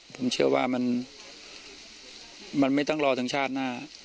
ผมเชื่อว่ามันไม่ต้องรอทางชาติหน้า